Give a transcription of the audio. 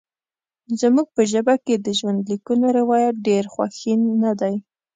زموږ په ژبه کې د ژوندلیکونو روایت ډېر غوښین نه دی.